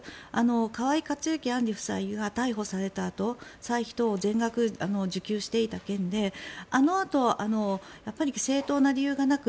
河井克行、案里夫妻が逮捕されたあと歳費等を全額受給していた件であのあと、正当な理由がなく